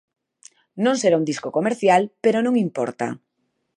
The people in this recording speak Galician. Non será un disco comercial, pero non importa.